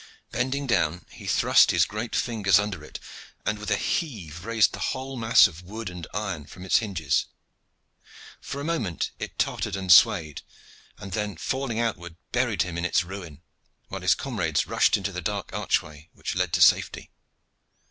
Bending down, he thrust his great fingers under it, and with a heave raised the whole mass of wood and iron from its hinges. For a moment it tottered and swayed, and then, falling outward, buried him in its ruin, while his comrades rushed into the dark archway which led to safety.